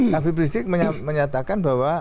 hp prisik menyatakan bahwa